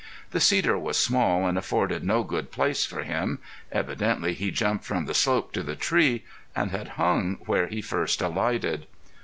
The cedar was small, and afforded no good place for him. Evidently he jumped from the slope to the tree, and had hung where he first alighted.